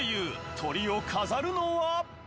トリを飾るのは。